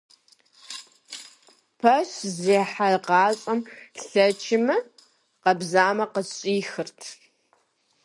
Пэш зехьагъащӏэм лэчымэ, къабзэмэ къыщӏихырт.